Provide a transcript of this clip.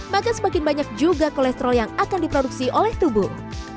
maka semakin banyak juga kolesterol yang akan diproduksi oleh tubuh